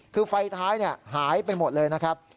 คือไฟท้ายหายไปหมดเลยนะครับ